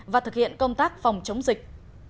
và thực hiện công tác phòng chống dịch